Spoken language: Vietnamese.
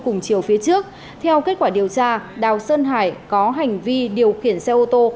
cùng chiều phía trước theo kết quả điều tra đảo sơn hải có hành vi điều kiển xe ô tô con bảy chỗ